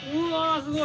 ◆すごい。